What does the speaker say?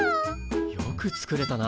よく作れたな。